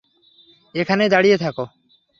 এখানেই দাঁড়িয়ে থাক।